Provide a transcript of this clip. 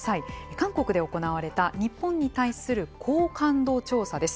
韓国で行われた日本に対する好感度調査です。